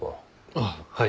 あっはい。